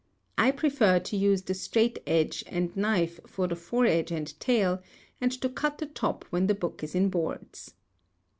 I prefer to use the straight edge and knife for the foredge and tail, and to cut the top when the book is in boards.